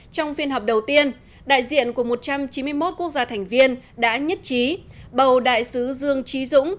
trong phiên họp đầu tiên đại diện của một trăm chín mươi một quốc gia thành viên đã nhất trí bầu đại sứ dương trí dũng